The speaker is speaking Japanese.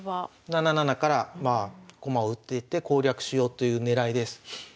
７七から駒を打っていって攻略しようという狙いです。